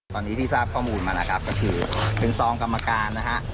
ตอนนี้ที่ทราบข้อมูลมานะครับก็คือเป็นซองกรรมการนะฮะ